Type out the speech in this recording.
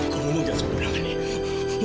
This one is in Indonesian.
kau ngomongnya sepenuhnya nek